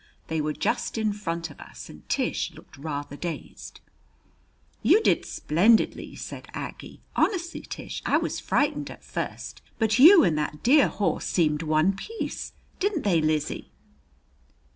They were just in front of us, and Tish looked rather dazed. "You did splendidly!" said Aggie. "Honestly, Tish, I was frightened at first, but you and that dear horse seemed one piece. Didn't they, Lizzie?"